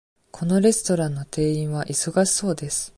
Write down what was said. このレストランの店員は忙しそうです。